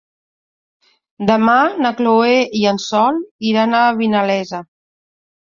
Demà na Chloé i en Sol iran a Vinalesa.